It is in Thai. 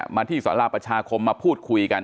มาที่สาราประชาคมมาพูดคุยกัน